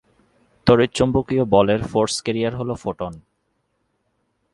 তড়িৎচুম্বকীয় বলের force carrier হল ফোটন।